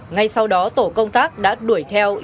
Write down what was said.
ngay sau đó tổ công tác đã đuổi theo yêu cầu hai đối tượng